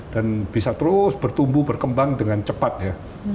dan bisa terus bertumbuh berkembang dengan cepat ya